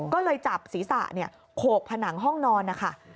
ก็เลยจับศีรษะโขกผนังห้องนอนนะคะ